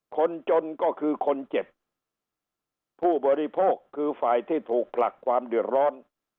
คนจนก็คือคนเจ็บผู้บริโภคคือฝ่ายที่ถูกผลักความเดือดร้อน